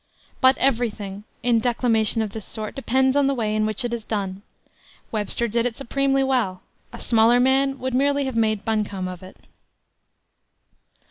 But every thing, in declamation of this sort, depends on the way in which it is done. Webster did it supremely well; a smaller man would merely have made buncombe of it.